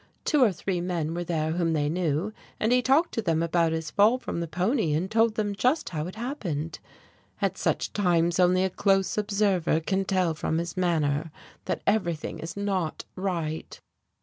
Two or three men were there whom they knew, and he talked to them about his fall from the pony and told them just how it happened. "At such times only a close observer can tell from his manner that everything is not right.